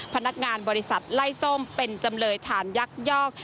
พนักงานบริษัทไล่ส้มเป็นจำเลยฐานยักยอก